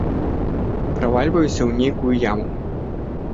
Правальваюся ў нейкую яму.